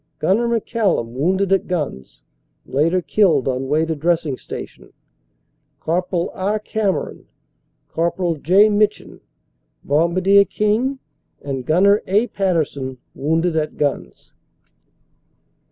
Gunner McCallum wounded at guns, later killed on way to dressing station. Corpl. R. Cameron, Corpl. J. Mitchen, Bombadier King and Gunner A. Patterson wounded at guns.